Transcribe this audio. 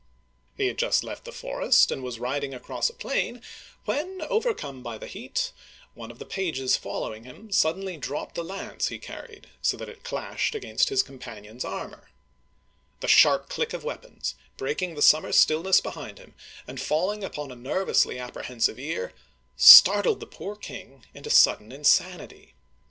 He had just left the forest and was riding across a plain, when, overcome by the heat, one of the pages following him suddenly dropped the lance he carried, so that it clashed against his companion's armor. The sharp click of weapons, breaking the summer stillness behind him, and falling upon a nervously appre Digitized by Google CHARLES VI. (13S0 1422) 177 hensive ear, startled the poor king into sudden insanity.